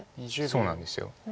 そうなんです。